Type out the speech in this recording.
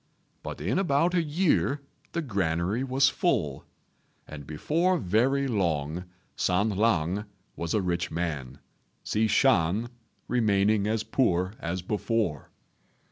But in about a year the granary was full, and before very long San lang was a rich man, Hsi Shan remaining as poor as before.